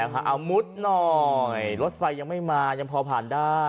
เอามุดหน่อยรถไฟยังไม่มายังพอผ่านได้